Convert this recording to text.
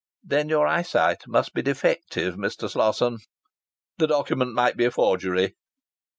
"Then your eyesight must be defective, Mr. Slosson." "The document might be a forgery."